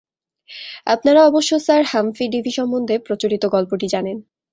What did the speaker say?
আপনারা অবশ্য sir Humphry Davy সম্বন্ধে প্রচলিত গল্পটি জানেন।